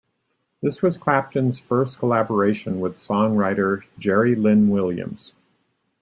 This was Clapton's first collaboration with songwriter Jerry Lynn Williams.